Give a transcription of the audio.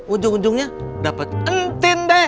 ujung ujungnya dapet entin deh